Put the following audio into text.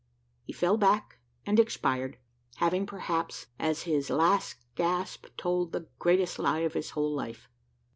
He fell back and expired, having, perhaps, at his last gasp, told the greatest lie of his whole life.